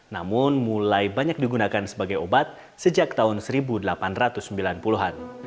namun mulai banyak digunakan sebagai obat sejak tahun seribu delapan ratus sembilan puluh an